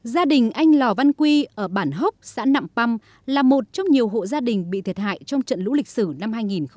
gia đình anh lò văn quy ở bản hốc xã nạm păm là một trong nhiều hộ gia đình bị thiệt hại trong trận lũ lịch sử năm hai nghìn một mươi